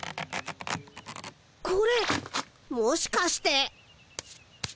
これもしかして。